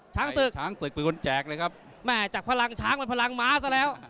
ช้างสุขเป็นคนแจกเลยครับแม่จากพลังช้างเป็นพลังม้าซะแล้ว